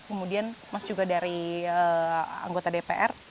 kemudian mas juga dari anggota dpr